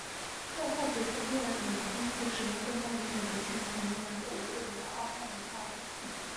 在化学工业里因此使用更加有选择性的反应来获得特别的二碳卤化物。